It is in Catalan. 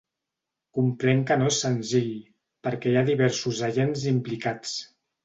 Comprenc que no és senzill, perquè hi ha diversos agents implicats.